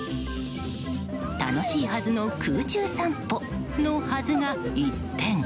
楽しいはずの空中散歩のはずが一転